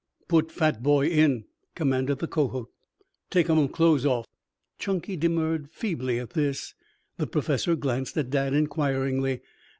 "Put fat boy in," commanded the Kohot. "Take um clothes off." Chunky demurred feebly at this. The Professor glanced at Dad inquiringly.